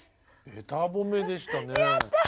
べた褒めでしたね。